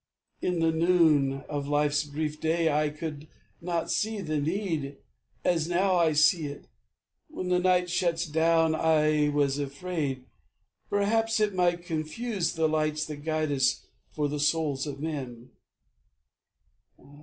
In the noon Of life's brief day, I could not see the need As now I see it, when the night shuts down. I was afraid, perhaps, it might confuse The lights that guide us for the souls of men.